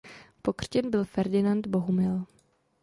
Pokřtěn byl Ferdinand Bohumil.